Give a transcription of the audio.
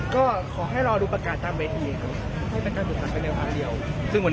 ก็ขอให้รอดูประกาศทางเวที